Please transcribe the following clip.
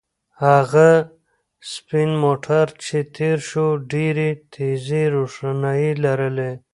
هغه سپین موټر چې تېر شو ډېرې تیزې روښنایۍ لرلې.